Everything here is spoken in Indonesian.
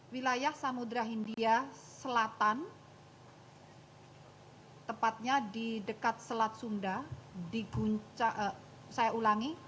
wilayah samudera hindia selatan tepatnya di dekat selat sunda saya ulangi